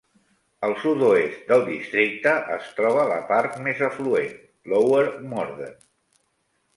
Al sud-oest del districte es troba la part més afluent, Lower Morden.